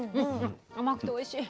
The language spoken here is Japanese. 甘くておいしい。